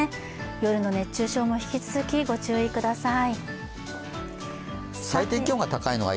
夜の熱中症も引き続きご注意ください。